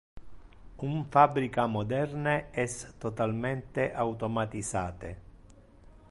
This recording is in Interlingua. Un fabrica moderne es totalmente automatisate.